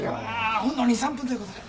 ほんの２３分ということで。